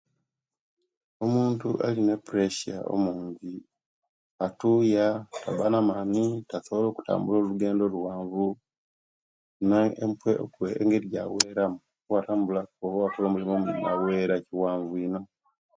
Omuntu alina pressure omungi atuuya, tabba na'mani tasobola okutambula olugendo oluwaanvu na empwe engeri jaweramu owatambula oba owakola omulimu awera kiwaanvu ino.